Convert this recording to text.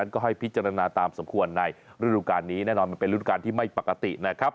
ก็ให้พิจารณาตามสมควรในรุ่นการนี้แน่นอนเป็นรุ่นการที่ไม่ปกติ